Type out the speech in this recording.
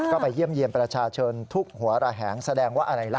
ก็ไปเยี่ยมเยี่ยมประชาชนทุกหัวระแหงแสดงว่าอะไรล่ะ